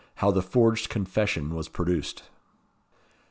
How the forged Confession was produced.